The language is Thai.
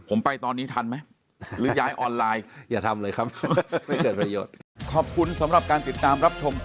ผมไปตอนนี้ทันไหมหรือย้ายออนไลน์